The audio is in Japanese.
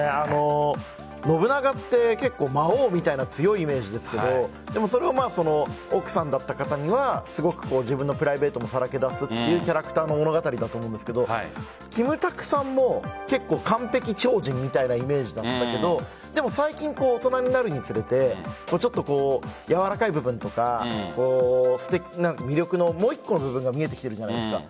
信長って結構魔王みたいな強いイメージですがそれを奥さんだった方はすごく自分のプライベートもさらけ出すというキャラクターの物語だと思うんですがキムタクさんも結構完璧超人みたいなイメージだったけど最近、大人になるにつれてやわらかい部分とかもう１個の魅力の部分が見えてきてるんじゃないですか。